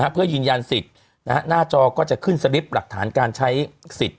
เพื่อยืนยันสิทธิ์หน้าจอก็จะขึ้นสลิปหลักฐานการใช้สิทธิ์